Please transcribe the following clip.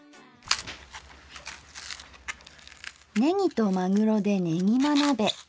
ねぎとまぐろでねぎま鍋。